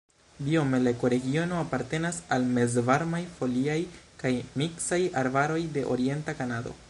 Biome la ekoregiono apartenas al mezvarmaj foliaj kaj miksaj arbaroj de orienta Kanado.